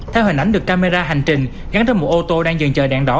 theo hình ảnh được camera hành trình gắn trong một ô tô đang dừng chờ đèn đỏ